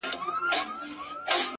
• زه نه خوشحال یم زه نه رحمان یم ,